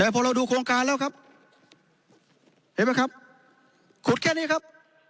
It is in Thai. พอเราดูโครงการแล้วครับเห็นไหมครับขุดแค่นี้ครับ